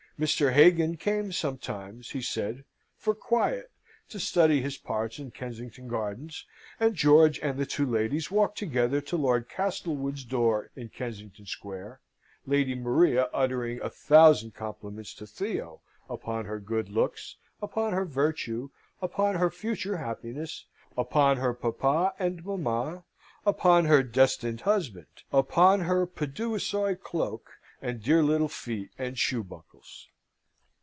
Mr. Hagan came sometimes, he said, for quiet, to study his parts in Kensington Gardens, and George and the two ladies walked together to Lord Castlewood's door in Kensington Square, Lady Maria uttering a thousand compliments to Theo upon her good looks, upon her virtue, upon her future happiness, upon her papa and mamma, upon her destined husband, upon her paduasoy cloak and dear little feet and shoe buckles.